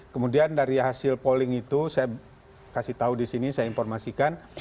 kemudian dari hasil polling itu saya kasih tahu di sini saya informasikan